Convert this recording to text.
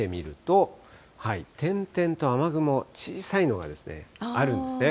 レーダーを見てみると、点々と雨雲、小さいのがあるんですね。